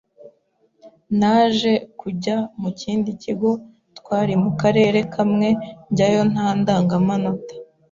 naje kujya mu kindi kigo twari mu karere kamwe njyayo nta ndangamanota